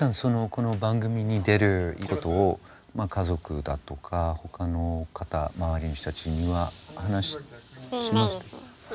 この番組に出ることを家族だとかほかの方周りの人たちには話して。